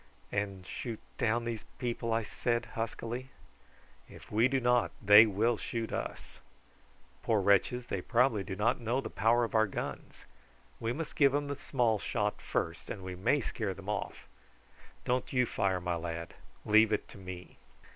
"And shoot down these people?" I said huskily. "If we do not, they will shoot us. Poor wretches, they probably do not know the power of our guns. We must give them the small shot first, and we may scare them off. Don't you fire, my lad; leave it to me."